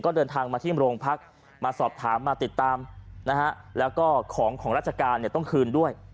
ก็เดินทางมาที่โรงพักมาสอบถามมาติดตามนะฮะแล้วก็ของของราชการต้องคืนด้วย